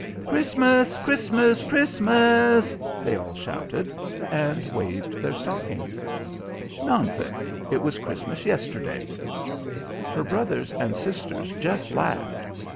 "Christmas! Christmas! Christmas!" they all shouted, and waved their stockings. "Nonsense! It was Christmas yesterday." Her brothers and sisters just laughed.